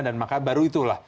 dan maka baru itulah